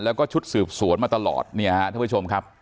แล้วก็ชุดสืบสวนมาตลอดเนี่ยฮะท่านผู้ชมครับ